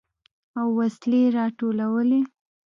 او وسلې يې راټولولې.